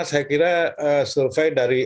saya kira survei dari